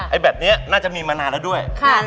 แบบนี้น่าจะมีมานานแล้วด้วย